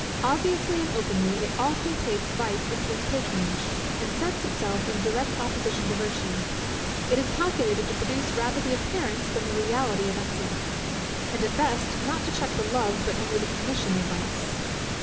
Obviously and openly, it often takes vice into its patronage, and sets itself in direct opposition to virtue. It is calculated to produce rather the appearance than the reality of excellence; and at best not to check the love but only the commission of vice.